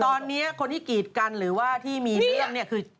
ตอนนี้คนที่กีดกันหรือว่าที่มีเรื่องเนี่ยคือ